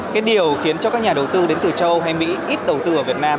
cái điều khiến cho các nhà đầu tư đến từ châu âu hay mỹ ít đầu tư ở việt nam